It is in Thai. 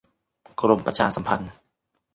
กรมประชาสัมพันธ์